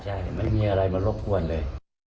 ใช่ไม่มีอะไรมารบกวนเลย